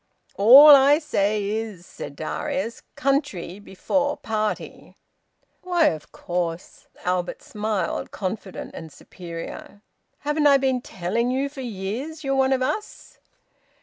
"All I say is," said Darius, "country before party!" "Why, of course!" Albert smiled, confident and superior. "Haven't I been telling you for years you're one of us?"